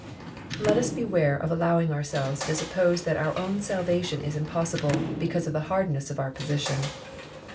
Let us beware of allowing ourselves to suppose that our own salvation is impossible, because of the hardness of our position.